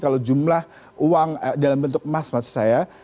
kalau jumlah uang dalam bentuk emas maksud saya